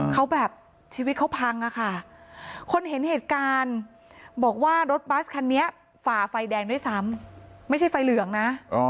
เขาแบบชีวิตเขาพังอะค่ะคนเห็นเหตุการณ์บอกว่ารถบัสคันนี้ฝ่าไฟแดงด้วยซ้ำไม่ใช่ไฟเหลืองนะ